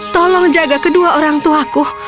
tolong jaga kedua orangtuaku